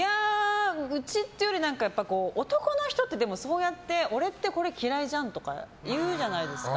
うちっていうより男の人ってそうやって俺ってこれ嫌いじゃんって言うじゃないですか。